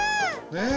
ねえ。